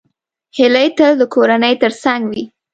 هیلۍ تل د کورنۍ تر څنګ وي